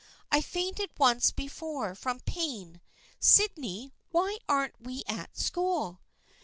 I fainted once before from pain. Sydney, why aren't we at school?